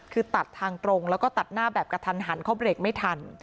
คือตัดทางตรงแล้วก็ตัดหน้าแบบกระทันหันเขาเบรกไม่ทัน